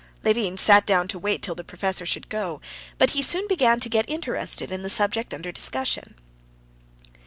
Levin sat down to wait till the professor should go, but he soon began to get interested in the subject under discussion.